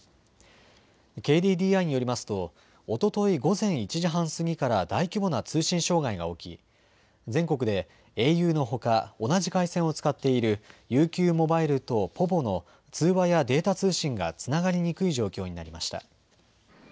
ＫＤＤＩによりますとおととい午前１時半過ぎから大規模な通信障害が起き全国でａｕのほか同じ回線を使っているＵＱモバイルとｐｏｖｏの通話やデータ通信がつながりにくい状況になりました。